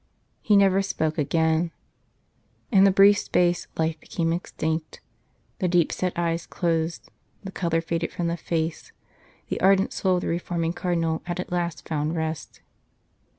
He never spoke again. In a brief space life became extinct ; the deep set eyes closed, the colour faded from the face, the ardent soul of the reforming Cardinal had at last found rest.